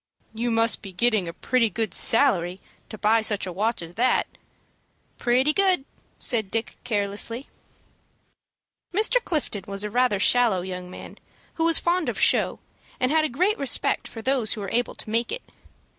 "You must be getting a pretty good salary to buy such a watch as that." "Pretty good," said Dick, carelessly. Mr. Clifton was rather a shallow young man, who was fond of show, and had a great respect for those who were able to make it.